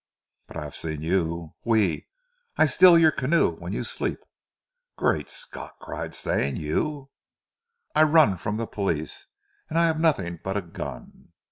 "But I haf seen you. Oui! I steal your canoe when you sleep!" "Great Scott!" cried Stane. "You " "I run from zee poleece, an' I haf nodings but a gun.